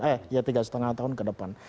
eh ya tiga lima tahun ke depan